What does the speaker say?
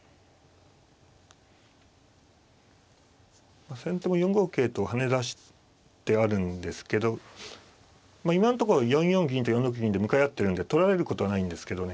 まあ先手も４五桂と跳ね出してあるんですけど今のところ４四銀と４六銀で向かい合ってるんで取られることはないんですけどね。